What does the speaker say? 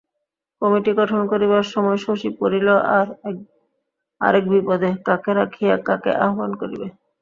Committee গঠন করিবার সময় শশী পড়িল আর এক বিপদে কাকে রাখিয়া কাকে আহবান করিবে?